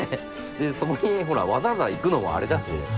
でそこにほらわざわざ行くのもあれだし。